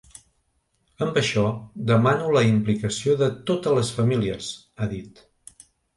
Amb això demano la implicació de totes les famílies, ha dit.